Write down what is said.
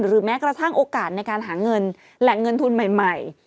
แม้กระทั่งโอกาสในการหาเงินแหล่งเงินทุนใหม่